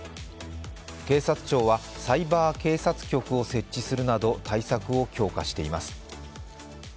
警察庁はサイバー警察局を設置するなど、対策を強化しています。